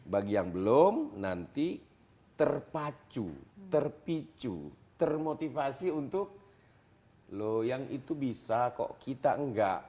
bagi yang belum nanti terpacu terpicu termotivasi untuk loh yang itu bisa kok kita enggak